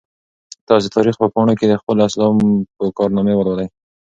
تاسو د تاریخ په پاڼو کې د خپلو اسلافو کارنامې ولولئ.